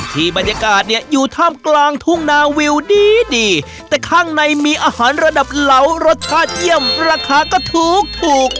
บรรยากาศเนี่ยอยู่ท่ามกลางทุ่งนาวิวดีดีแต่ข้างในมีอาหารระดับเหลารสชาติเยี่ยมราคาก็ถูกถูก